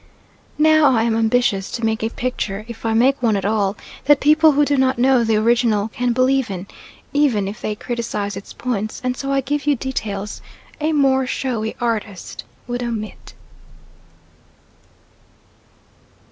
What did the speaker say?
Now I am ambitious to make a picture, if I make one at all, that people who do know the original can believe in even if they criticise its points and so I give you details a more showy artist would omit.